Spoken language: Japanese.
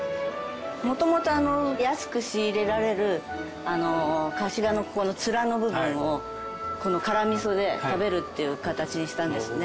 元々安く仕入れられるカシラのここの面の部分をこの辛みそで食べるっていう形にしたんですね。